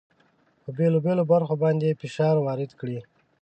په بېلو بېلو برخو باندې فشار وارد کړئ.